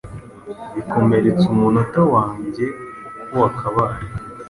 bikomeretsa umunota wanjye uko wakabaye